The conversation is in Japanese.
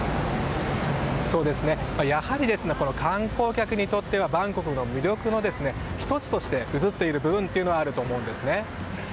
やはり観光客にとってはバンコクの魅力の１つとして映っている部分があると思うんですね。